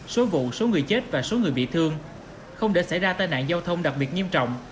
số vụ số người chết và số người bị thương không để xảy ra tai nạn giao thông đặc biệt nghiêm trọng